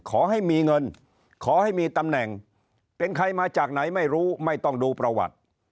ขอให้มีเงินขอให้มีตำแหน่งเป็นใครมาจากไหนไม่รู้ไม่ต้องดูประวัติ